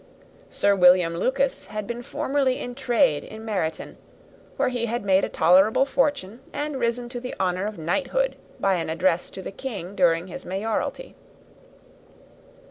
Sir William Lucas had been formerly in trade in Meryton, where he had made a tolerable fortune, and risen to the honour of knighthood by an address to the king during his mayoralty.